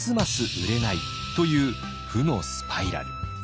売れないという負のスパイラル。